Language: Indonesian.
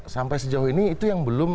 sampai sejauh ini itu yang belum